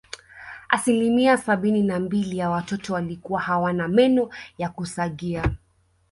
Asilimia sabini na mbili ya watoto walikuwa hawana meno ya kusagia